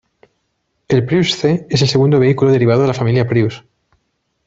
El Prius c es el segundo vehículo derivado de la familia Prius.